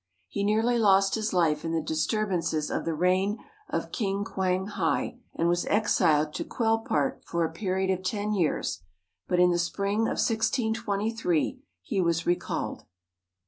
He nearly lost his life in the disturbances of the reign of King Kwang hai, and was exiled to Quelpart for a period of ten years, but in the spring of 1623 he was recalled.